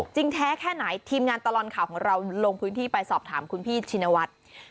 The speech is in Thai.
แท้แค่ไหนทีมงานตลอดข่าวของเราลงพื้นที่ไปสอบถามคุณพี่ชินวัฒน์